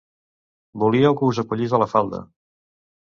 Volíeu que us acollís a la falda.